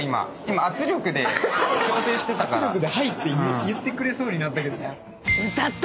圧力で「はい」って言ってくれそうになったけど。